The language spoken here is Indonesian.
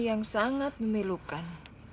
yang sangat memilukan